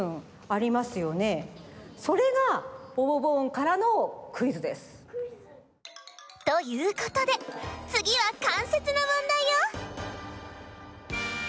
それがボボボーンからのクイズです！ということでつぎは関節のもんだいよ！